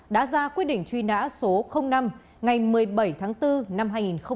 đã ra quyết định truy nã số năm ngày một mươi bảy tháng bốn năm hai nghìn một mươi